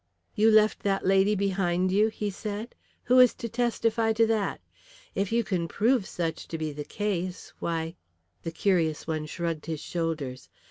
"You left that lady behind you?" he said. "Who is to testify to that? If you can prove such to be the case, why " The curious one shrugged his shoulders.